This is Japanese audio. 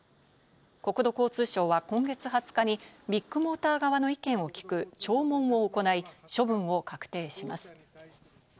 国土交通省は今月２０日にビッグモーター側の意見を聞く聴聞を行い、処分を確定します。